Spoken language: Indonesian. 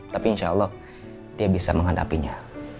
tapi insya allah dia bisa menghadapinya